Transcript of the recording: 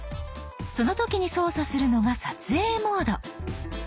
その時に操作するのが撮影モード。